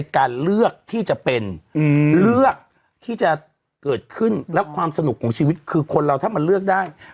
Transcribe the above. การเลือกที่จะเป็นเลือกที่จะเกิดขึ้นแล้วความสนุกของชีวิตคือคนเราถ้ามันเลือกได้